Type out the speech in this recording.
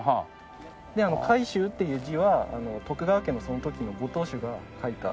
で「海舟」っていう字は徳川家のその時のご当主が書いた字。